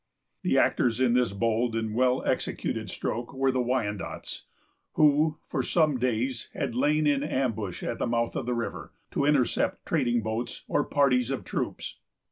The actors in this bold and well executed stroke were the Wyandots, who, for some days, had lain in ambush at the mouth of the river, to intercept trading boats or parties of troops.